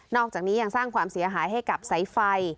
อกจากนี้ยังสร้างความเสียหายให้กับสายไฟ